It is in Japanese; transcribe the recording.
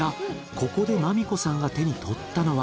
ここで麻美子さんが手に取ったのは。